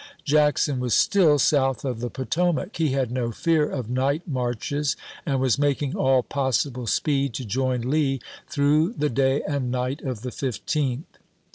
Jackson was still south of the Potomac. He had no fear of night marches, and was making all possible speed to join Lee through the day and night of the 15th.